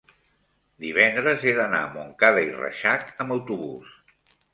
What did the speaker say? divendres he d'anar a Montcada i Reixac amb autobús.